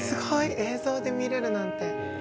映像で見れるなんて。